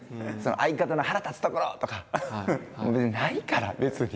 相方の腹立つところとかないから別に。